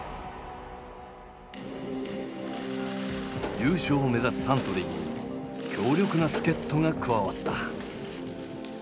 優勝を目指すサントリーに強力な助っとが加わった。